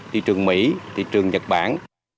thị trường mỹ thị trường nhật bản